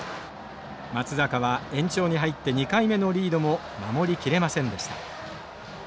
松坂は延長に入って２回目のリードも守りきれませんでした。